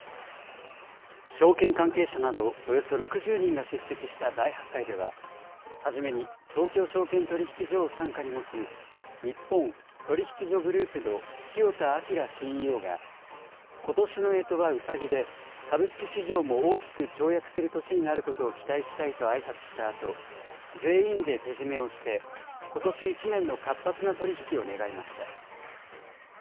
証券関係者などおよそ６０人が出席した大発会では、はじめに東京証券取引所を傘下に持つ日本取引所グループの清田瞭ＣＥＯが、ことしのえとはうさぎで、株式市場も大きく跳躍する年になることを期待したいとあいさつしたあと、全員で手締めをして、ことし一年の活発な取り引きを願いました。